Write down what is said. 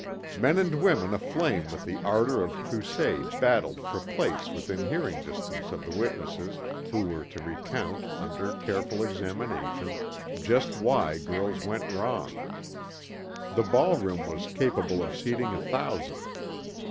Men and women aflame with the ardor of crusade battled for place within hearing distance of the witnesses who were to recount, under careful examination, just why girls went wrong. The ball room was capable of seating a thousand.